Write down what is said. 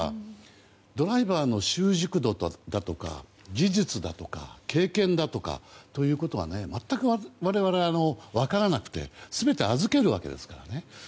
ドライバーの習熟度だとか技術だとか経験だとかということは全く、我々は分からなくて全て預けるわけですからね。